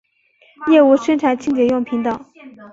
业务生产清洁用品等。